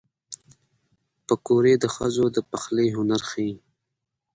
پکورې د ښځو د پخلي هنر ښيي